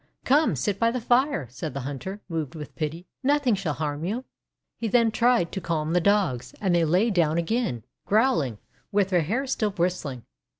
'Come, sit by the fire," said the hunter, moved with pity. " Nothing shall harm you." He then tried to calm the Dogs, and they lay down again, growling, their hair still bristling.